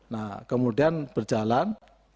nah kemudian berjalan